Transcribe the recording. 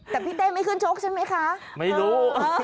แต่พี่เต้ไม่ขึ้นชกใช่ไหมคะไม่รู้